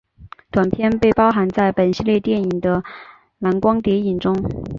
短片被包含在本系列电影的蓝光影碟中。